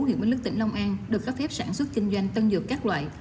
huyện bến lức tỉnh long an được cấp phép sản xuất kinh doanh tân dược các loại